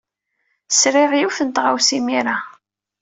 Sriɣ yiwet n tɣawsa imir-a.